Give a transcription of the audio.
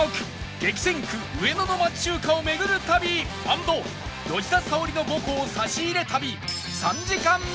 激戦区上野の町中華を巡る旅＆吉田沙保里の母校差し入れ旅